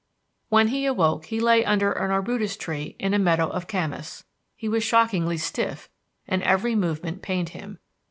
When he awoke he lay under an arbutus tree in a meadow of camas. He was shockingly stiff and every movement pained him.